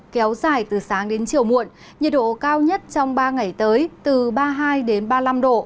kéo dài từ sáng đến chiều muộn nhiệt độ cao nhất trong ba ngày tới từ ba mươi hai ba mươi năm độ